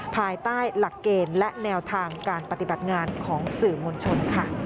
ภายใต้หลักเกณฑ์และแนวทางการปฏิบัติงานของสื่อมวลชนค่ะ